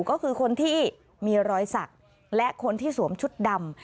ก็คือคนที่มีรอยสักและคนที่สวมชุดดำ